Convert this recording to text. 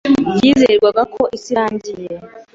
Byizerwaga ko isi iringaniye.